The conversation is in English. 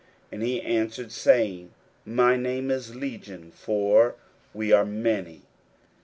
And he answered, saying, My name is Legion: for we are many.